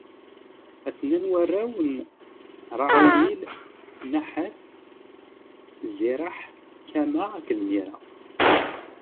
A-ten-an warraw n Raɛuwil: Naḥat, Ziraḥ, Cama akked Miza.